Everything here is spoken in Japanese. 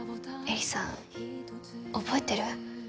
絵里さん覚えてる？